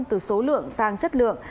từ số lượng sang chất lượng